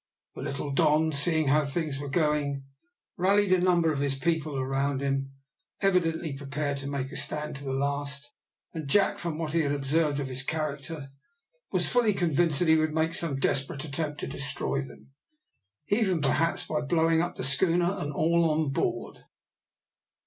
The little Don, seeing how things were going, rallied a number of his people around him, evidently prepared to make a stand to the last, and Jack, from what he had observed of his character, was fully convinced that he would make some desperate attempt to destroy them, even perhaps by blowing up the schooner and all on board.